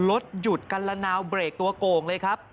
รถหยุดกันละนาวเบรกตัวโก่งเลยครับ